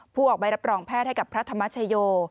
ออกใบรับรองแพทย์ให้กับพระธรรมชโย